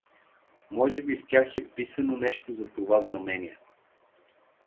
Може би в тях да е писано нещо за това знамение.